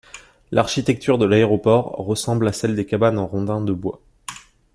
L'architecture de l'aéroport ressemble à celle des cabanes en rondins de bois.